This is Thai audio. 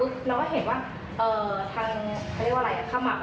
ก็พบให้น้องแล้วก็ถามว่าไปโดนอะไรมา